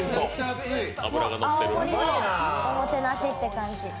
青森のおもてなしって感じ。